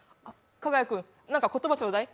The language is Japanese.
加賀谷君、何か言葉ちょうだい。